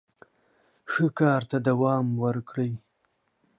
ښه کار ته دوام ورکړئ.